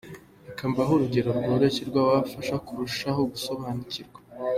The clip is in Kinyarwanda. Reka mbahe urugero rworoshye rwabafasha kurushaho gusobanukirwa.